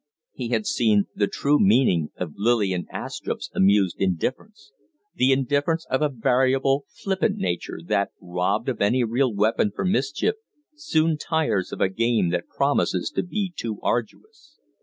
He had seen the true meaning of Lillian Astrupp's amused indifference the indifference of a variable, flippant nature that, robbed of any real weapon for mischief, soon tires of a game that promises to be too arduous.